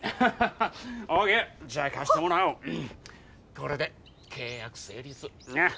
これで契約成立ああ。